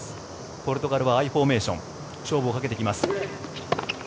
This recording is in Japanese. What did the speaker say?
ポルトガルはアイフォーメーション勝負をかけてきます。